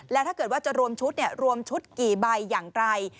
แล้วถ้าเกิดว่าจะรวมชุดรวมชุดกี่ใบอย่างไร